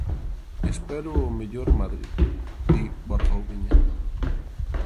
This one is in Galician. "Espero o mellor Madrid", di Borja Oubiña.